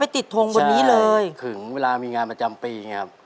อ๋อไปติดทงบนนี้เลยใช่ถึงเวลามีงานประจำปีครับ